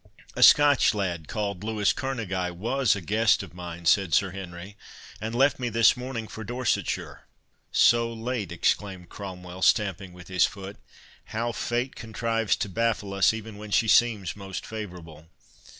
"A Scotch lad, called Louis Kerneguy, was a guest of mine," said Sir Henry, "and left me this morning for Dorsetshire." "So late!" exclaimed Cromwell, stamping with his foot—"How fate contrives to baffle us, even when she seems most favourable!